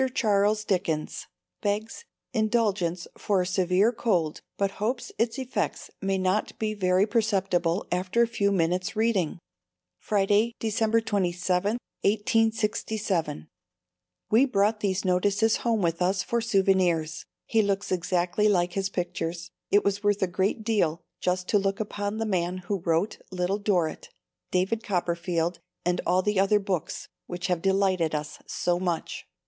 CHARLES DICKENS Begs indulgence for a Severe Cold, but hopes its effects may not be very perceptible after a few minutes' Reading. Friday, December 27th, 1867. We brought these notices home with us for souvenirs. He looks exactly like his pictures. It was worth a great deal just to look upon the man who wrote Little Dorrit, David Copperfield and all the other books, which have delighted us so much.